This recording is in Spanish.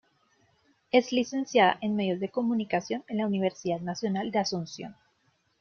Es licenciada en Medios de Comunicación, en la Universidad Nacional de Asunción.